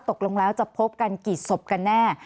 ตกลงแล้วจะพบกันกี่ศพกันแน่